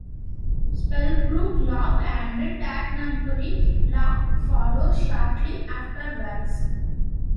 Spellbrook Lock and Tadnambury Lock follow shortly afterwards.